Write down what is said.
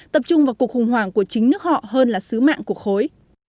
tập trung vào cuộc khủng hoảng của chính nước họ hơn là sứ mạng của khối